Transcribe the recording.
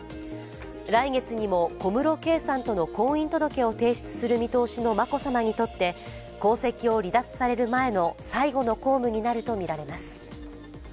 来月にも小室圭さんとの婚姻届を提出する見通しの眞子さまにとって、皇籍を離脱される前の最後の公務になると見られます。